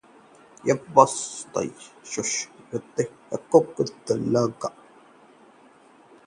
इज्जत पर बन आई तो युवती ने खुद को लगा ली आग